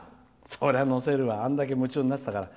そりゃ載せるわあんだけ夢中になってたから。